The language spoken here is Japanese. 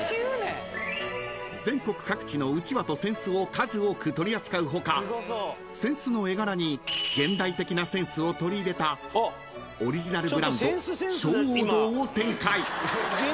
［数多く取り扱う他扇子の絵柄に現代的なセンスを取り入れたオリジナルブランド松扇堂を展開］